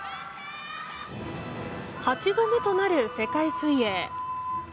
８度目となる世界水泳。